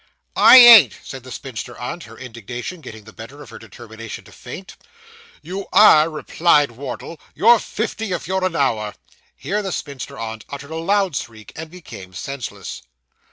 'I ain't,' said the spinster aunt, her indignation getting the better of her determination to faint. 'You are,' replied Wardle; 'you're fifty if you're an hour.' Here the spinster aunt uttered a loud shriek, and became senseless.